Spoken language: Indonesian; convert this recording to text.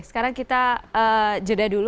sekarang kita jeda dulu